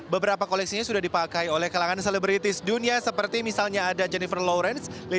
beberapa koleksinya sudah dipakai oleh kalangan selebritis dunia seperti misalnya ada jennifer lawrence